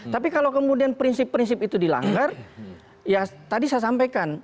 tapi kalau kemudian prinsip prinsip itu dilanggar ya tadi saya sampaikan